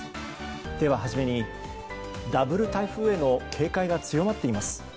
では初めに、ダブル台風への警戒が強まっています。